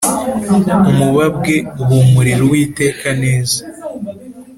umubabwe uhumurira Uwiteka neza